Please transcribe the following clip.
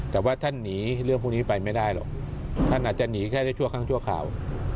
แต่ว่าท่านหนีเรื่องพวกนี้ไปไม่ได้หรอกท่านอาจจะหนีแค่ได้ชั่วครั้งชั่วคราว